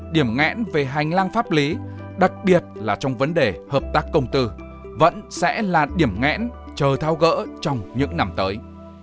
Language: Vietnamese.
điểm ngẽn về hành lang pháp lý đặc biệt là trong vấn đề hợp tác công tư vẫn sẽ là điểm ngẽn chờ thao gỡ trong những năm tới